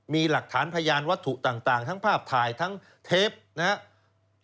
มีหลักฐานพยานวัตถุต่างทั้งภาพถ่ายทั้งเทปนะครับ